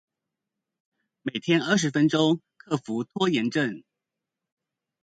每天二十分鐘克服拖延症